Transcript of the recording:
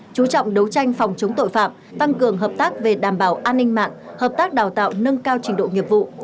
chú trọng đấu tranh phòng chống tội phạm tăng cường hợp tác về đảm bảo an ninh mạng hợp tác đào tạo nâng cao trình độ nghiệp vụ